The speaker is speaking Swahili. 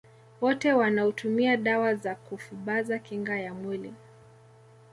Wote wanaotumia dawa za kufubaza kinga ya mwili